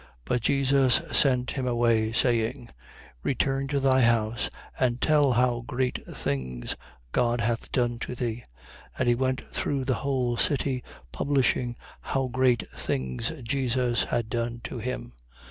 But Jesus sent him away, saying: 8:39. Return to thy house and tell how great things God hath done to thee. And he went through the whole city, publishing how great things Jesus had done to him.